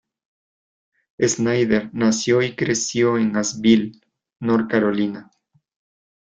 Schneider nació y creció en Asheville, North Carolina.